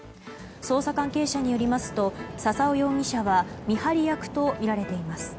捜査関係者によりますと笹尾容疑者は見張り役とみられています。